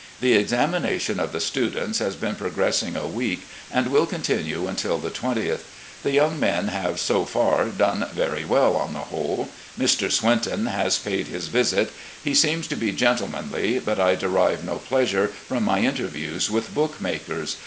The examination of the students has been progressing a week and will continue until the 20th. The yotmg men have, so far, done very well on the whole. ... Mr. Swinton has paid his visit. He seemed to be gentlemanly, but I derive no pleasure from my interviews with book makers.